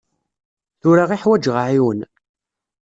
Tura i ḥwaǧeɣ aɛiwen.